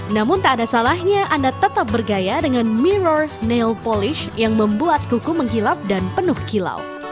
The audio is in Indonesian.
namun tak ada salahnya anda tetap bergaya dengan mirror nail polis yang membuat kuku mengkilap dan penuh kilau